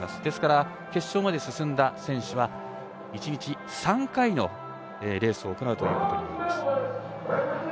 ですから、決勝まで進んだ選手は１日３回のレースを行うことになります。